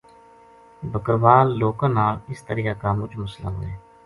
بکروال لوکاں اس طرحیا کا مچ مسلہ ہووے